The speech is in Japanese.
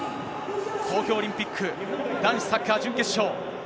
東京オリンピック男子サッカー準決勝。